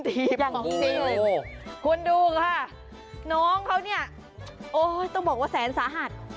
คุณดูค่ะน้องเขาเนี่ยโอ้ยต้องบอกว่าแสนสาหัส